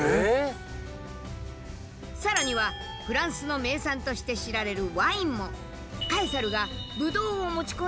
更にはフランスの名産として知られるワインもすごいよ。